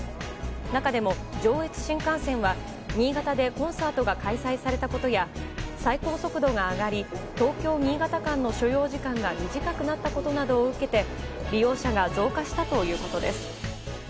中でも、上越新幹線は新潟でコンサートが開催されたことや最高速度が上がり東京新潟間の所要時間が短くなったことなどを受けて利用者が増加したということです。